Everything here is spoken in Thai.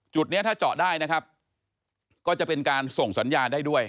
นี้ถ้าเจาะได้นะครับก็จะเป็นการส่งสัญญาณได้ด้วย